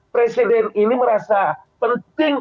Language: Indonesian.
presiden ini merasa penting